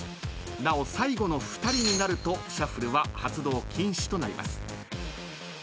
なお最後の２人になるとシャッフルは発動禁止となります。